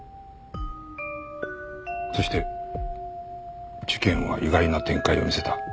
そして事件は意外な展開を見せた。